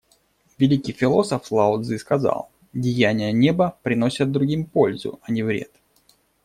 Великий философ Лао Цзы сказал: «Деяния Неба приносят другим пользу, а не вред.